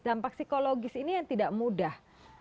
dampak psikologis ini yang tidak mudah